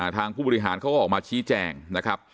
ผู้บริหารเขาก็ออกมาชี้แจงนะครับ